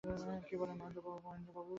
একটা কাজের কথা বলি, আমার অনুরোধ রাখতেই হবে।